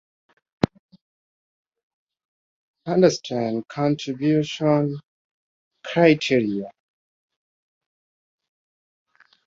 ভূমিকম্পের অবস্থান ছিল ব্রিটিশ ভারত এবং চীন প্রজাতন্ত্র সীমান্তের মধ্যবর্তী স্থানে, যা তখনও তিব্বত শাসনাধীন ছিল না।